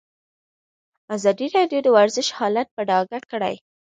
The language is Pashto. ازادي راډیو د ورزش حالت په ډاګه کړی.